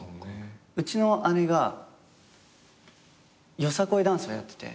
うちの姉がよさこいダンスをやってて。